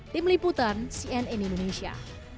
tim liputan cnn indonesia